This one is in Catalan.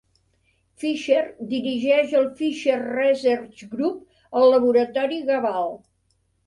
Fisher dirigeix el Fisher Research Group al laboratori Gaballe.